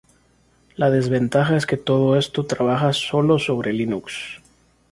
La desventaja es que todo esto trabaja sólo sobre Linux.